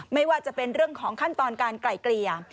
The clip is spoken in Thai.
ไม่ว่าจะเป็นเรื่องของขั้นตอนการไกล่เกลี่ย